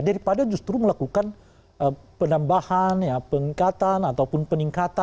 daripada justru melakukan penambahan peningkatan ataupun peningkatan